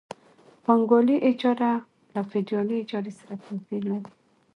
پانګوالي اجاره له فیوډالي اجارې سره توپیر لري